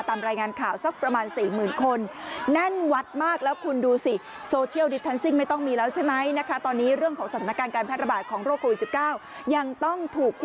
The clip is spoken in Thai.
ตามรายงานข่าวสักประมาณ๔๐๐๐คน